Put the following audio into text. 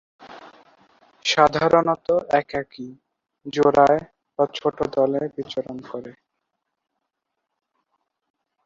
সাধারণত একাকী, জোড়ায় বা ছোট দলে বিচরণ করে।